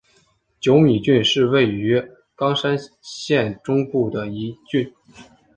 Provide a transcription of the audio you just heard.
久米郡是位于冈山县中部的一郡。